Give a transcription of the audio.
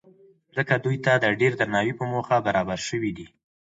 ځکه دوی ته د ډېر درناوۍ په موخه برابر شوي دي.